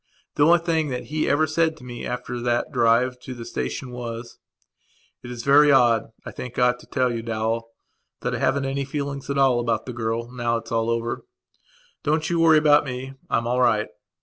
The only thing that he ever said to me after that drive to the station was: "It's very odd. I think I ought to tell you, Dowell, that I haven't any feelings at all about the girl now it's all over. Don't you worry about me. I'm all right."